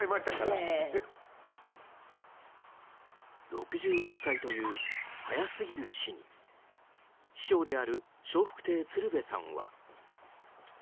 ６６歳という早すぎる死に師匠である笑福亭鶴瓶さんは。